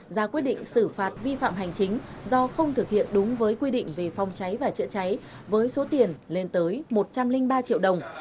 ra quyết định xử phạt vi phạm hành chính do không thực hiện đúng với quy định về phòng cháy và chữa cháy với số tiền lên tới một trăm linh ba triệu đồng